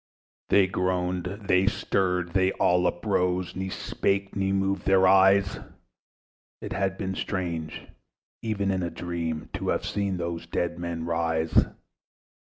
They groaned, they stirred, they all uprose, Nor spake, nor moved their eyes; It had been strange, even in a dream, To have seen those dead men rise.